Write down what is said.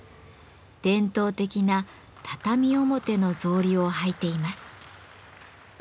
伝統的な畳表の草履を履いています。